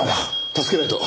助けないと。